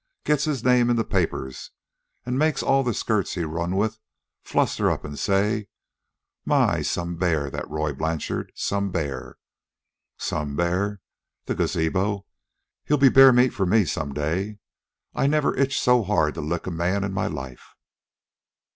Gets his name in the papers an makes all the skirts he runs with fluster up an' say: 'My! Some bear, that Roy Blanchard, some bear.' Some bear the gazabo! He'll be bear meat for me some day. I never itched so hard to lick a man in my life.